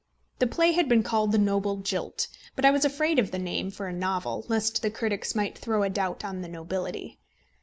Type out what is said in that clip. The play had been called The Noble Jilt; but I was afraid of the name for a novel, lest the critics might throw a doubt on the nobility.